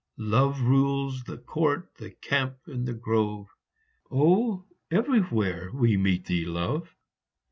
Love rules " the court, the camp, the grove " Oh, everywhere we meet thee, Love